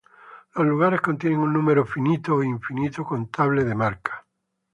Los lugares contienen un número finito o infinito contable de marcas.